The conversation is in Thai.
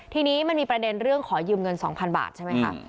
ทีนี้มันมีประเด็นเรื่องขอยืมเงิน๒๐๐๐บาทใช่ไหมคะ